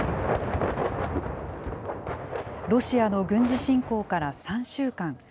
ロシアの軍事侵攻から３週間。